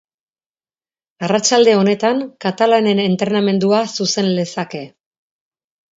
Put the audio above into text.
Arratsalde honetan katalanen entrenamendua zuzen lezake.